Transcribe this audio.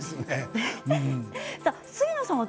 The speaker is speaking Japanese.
杉野さん